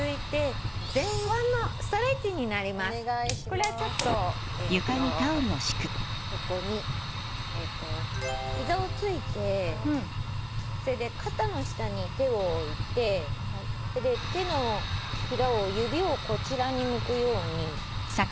これはちょっとここにひざをついてそれで肩の下に手を置いてそれで手のひらを指をこちらに向くように。